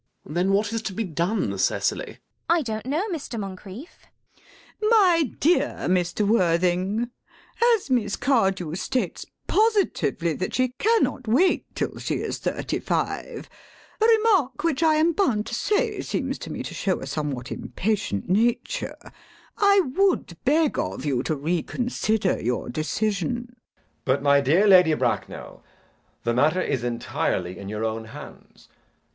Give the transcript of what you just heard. Then what is to be done, Cecily? CECILY. I don't know, Mr. Moncrieff. LADY BRACKNELL. My dear Mr. Worthing, as Miss Cardew states positively that she cannot wait till she is thirty five—a remark which I am bound to say seems to me to show a somewhat impatient nature—I would beg of you to reconsider your decision. JACK. But my dear Lady Bracknell, the matter is entirely in your own hands.